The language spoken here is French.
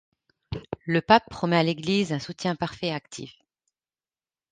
Le pape promet à l'Égliseun soutien parfait et actif.